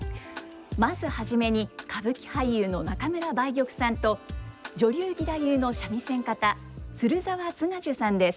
まず初めに歌舞伎俳優の中村梅玉さんと女流義太夫の三味線方鶴澤津賀寿さんです。